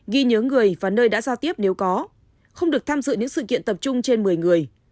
ghi nhớ người và nơi đã giao tiếp nếu có không được tham dự những sự kiện tập trung trên một mươi người